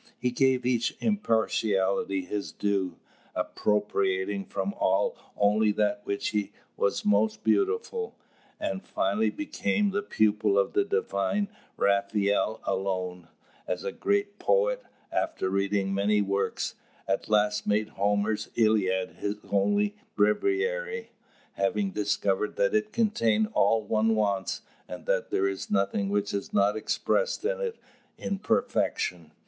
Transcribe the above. He gave each impartially his due, appropriating from all only that which was most beautiful, and finally became the pupil of the divine Raphael alone, as a great poet, after reading many works, at last made Homer's "Iliad" his only breviary, having discovered that it contains all one wants, and that there is nothing which is not expressed in it in perfection.